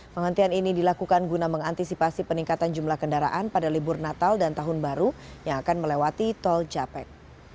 penghentian ini dilakukan guna mengantisipasi peningkatan jumlah kendaraan pada libur natal dan tahun baru yang akan melewati tol japek